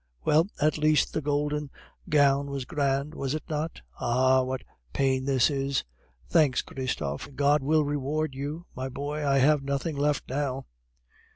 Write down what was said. Well, at least the golden gown was grand, was it not? (Ah! what pain this is!) Thanks, Christophe! God will reward you, my boy; I have nothing left now."